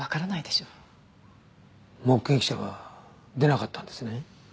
目撃者は出なかったんですね。